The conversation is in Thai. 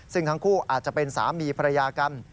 ซึ่งทั้งคู่อาจจะเป็นสามีภรรยากัน